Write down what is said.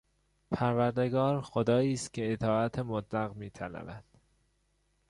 پروردگار خدایی است که اطاعت مطلق میطلبد.